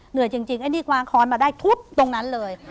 เหนื่อยจริงไอ้นี่ควางคล้อนมาได้ทุบตรงนั้นเลย